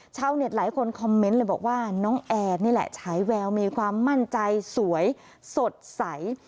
ชาวเน็ตหลายคนคอมเมนต์เลยบอกว่าน้องแอร์นี่แหละฉายแววมีความมั่นใจสวยสดใส